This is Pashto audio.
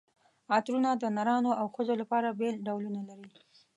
عطرونه د نرانو او ښځو لپاره بېل ډولونه لري.